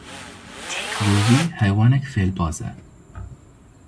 Rûvî heywanek fêlbaz e.